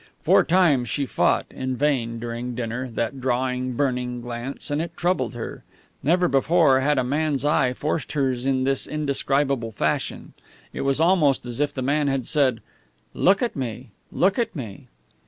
Four times she fought in vain, during dinner, that drawing, burning glance and it troubled her. Never before had a man's eye forced hers in this indescribable fashion. It was almost as if the man had said, "Look at me! Look at me!"